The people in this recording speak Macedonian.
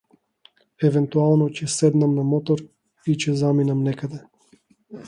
Евентуално ќе седнам на мотор и ќе заминем некаде.